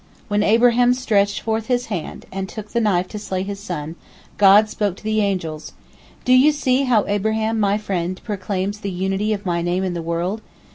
When Abraham stretched forth his hand, and took the knife to slay his son, God spoke to the angels: "Do you see how Abraham my friend proclaims the unity of My Name in the world?